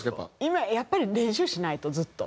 今やっぱり練習しないとずっと。